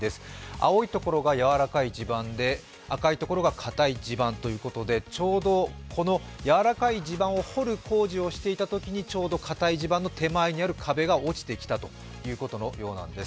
青いところが軟らかい地盤で赤いところが硬い地盤ということで、ちょうどやわらかい地盤を掘る工事をしていたところ、ちょうどかたい地盤の手前が落ちてきたということのようです。